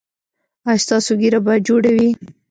ایا ستاسو ږیره به جوړه وي؟